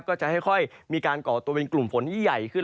ก็จะค่อยมีการก่อตัวเป็นกลุ่มฝนที่ใหญ่ขึ้น